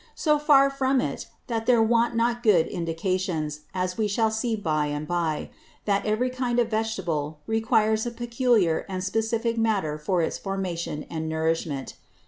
So far from it, that there want not good Indications, as we shall see by and by, that every kind of Vegetable requires a peculiar and specifick Matter for its Formation and Nourishment.